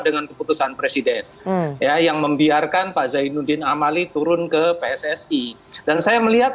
dengan keputusan presiden ya yang membiarkan pak zainuddin amali turun ke pssi dan saya melihat